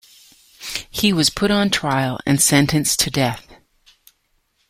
He was put on trial and sentenced to death.